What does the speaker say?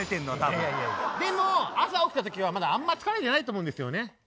でも朝起きた時はまだあんまり疲れてないと思うんですよね。